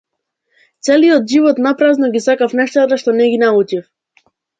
Целиот живот напразно ги сакав нештата што не ги научив.